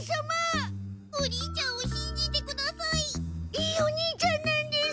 いいお兄ちゃんなんです。